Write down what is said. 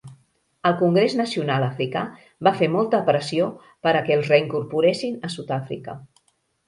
El Congrés Nacional Africà va fer molta pressió per a què els reincorporessin a Sud Àfrica.